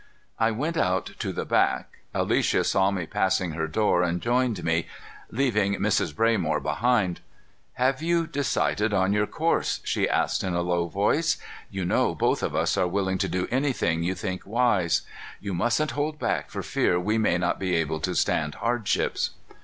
I went out to the back. Alicia saw me passing her door and joined me, leaving Mrs. Braymore behind. "Have you decided on your course?" she asked in a low voice. "You know both of us are willing to do anything you think wise. You mustn't hold back for fear we may not be able to stand hardships."